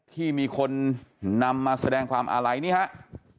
ที่มีคนนำมาแสดงความอาลัยนี่ครับ